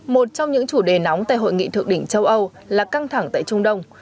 một trong những chủ đề nóng tại hội nghị thượng đỉnh châu âu là căng thẳng tại trung đông